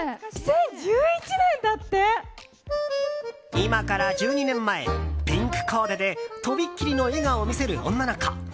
今から１２年前ピンクコーデでとびっきりの笑顔を見せる女の子。